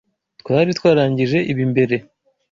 Twari twarangije ibi mbere.